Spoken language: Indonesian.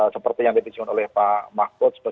seperti yang didisiun oleh pak mahfud